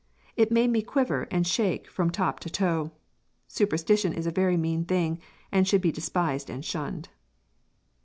It made me quiver and shake from top to toe. Superstition is a very mean thing, and should be despised and shunned."